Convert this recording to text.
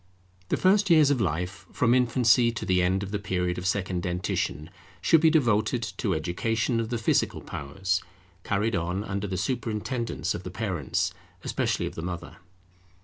The first years of life, from infancy to the end of the period of second dentition, should be devoted to education of the physical powers, carried on under the superintendence of the parents, especially of the mother.